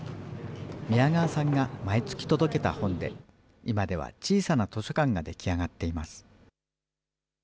宮川さんが毎月届けた本で、今では小さな図書館が出来上がっています。